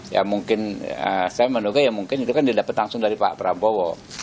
ya mungkin saya menduga ya mungkin itu kan didapat langsung dari pak prabowo